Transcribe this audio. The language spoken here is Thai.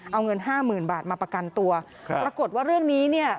เอาเงิน๕๐๐๐๐บาทมาประกันตัวปรากฏว่าเรื่องนี้เนี่ย